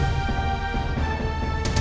nih bawa pergi